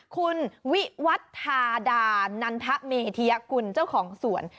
คุณวิวัทธาดานันทะเมเทียคุณเจ้าของสวน